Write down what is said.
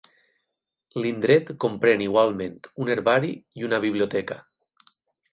L'indret comprèn igualment un herbari i una biblioteca.